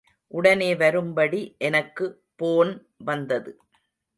உடனே வரும்படி எனக்கு போன் வந்தது.